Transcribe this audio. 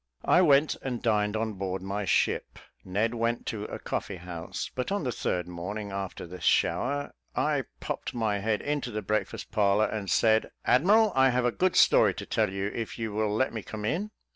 I went and dined on board my ship, Ned went to a coffee house; but on the third morning after the shower, I popped my head into the breakfast parlour, and said, "Admiral, I have a good story to tell you, if you will let me come in."